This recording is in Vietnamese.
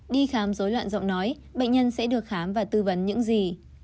đi khám dối loạn giọng nói bệnh nhân sẽ được khám và tư vấn những gì